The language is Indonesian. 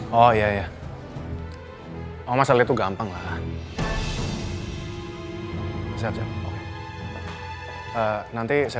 bahwa segalanya bokso